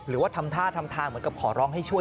หรือว่าทำท่าทำทางเหมือนกับขอร้องให้ช่วย